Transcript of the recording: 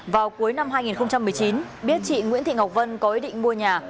vào cuối năm hai nghìn một mươi chín biết chị nguyễn thị ngọc vân có ý định mua nhà